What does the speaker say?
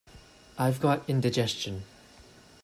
I've got indigestion.